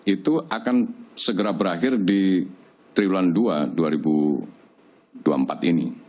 itu akan segera berakhir di triwulan dua dua ribu dua puluh empat ini